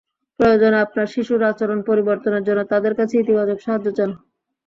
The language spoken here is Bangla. প্রয়োজনে আপনার শিশুর আচরণ পরিবর্তনের জন্য তাদের কাছে ইতিবাচক সাহায্য চান।